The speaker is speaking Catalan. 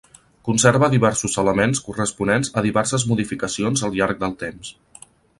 Conserva diversos elements corresponents a diverses modificacions al llarg del temps.